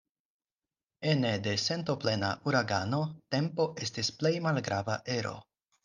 Ene de sentoplena uragano tempo estis plej malgrava ero.